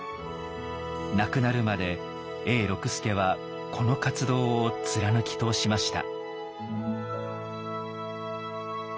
亡くなるまで永六輔はこの活動を貫き通しました。